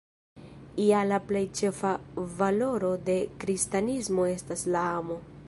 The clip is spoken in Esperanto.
Ja la plej ĉefa valoro de kristanismo estas la amo.